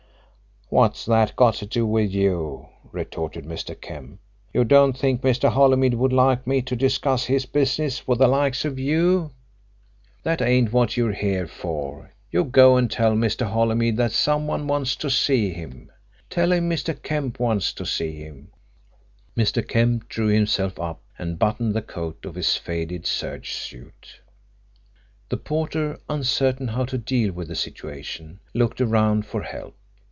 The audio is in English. "What's that got to do with you?" retorted Mr. Kemp. "You don't think Mr. Holymead would like me to discuss his business with the likes of you? That ain't what you're here for. You go and tell Mr. Holymead that some one wants to see him. Tell him Mr. Kemp wants to see him." Mr. Kemp drew himself up and buttoned the coat of his faded serge suit. The porter, uncertain how to deal with the situation, looked around for help.